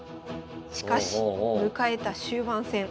しかし迎えた終盤戦。